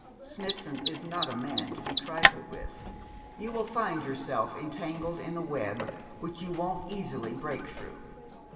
'Smithson is not a man to be trifled with. You will find yourself entangled in a web which you won't easily break through.'